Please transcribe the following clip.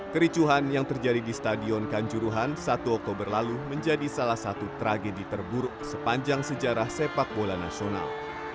kericuhan yang terjadi di stadion kanjuruhan satu oktober lalu menjadi salah satu tragedi terburuk sepanjang sejarah sepak bola nasional